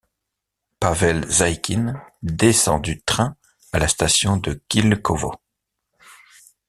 Pavel Zaïkine descend du train à la station de Khilkovo.